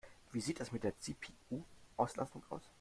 Wie sieht es mit der CPU-Auslastung aus?